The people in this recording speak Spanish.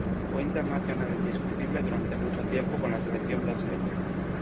Fue internacional indiscutible durante mucho tiempo con la selección brasileña.